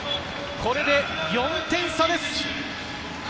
これで４点差です！